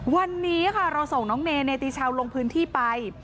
วันนี้ค่ะเราส่งน้องเนติชาวลงพื้นที่ไป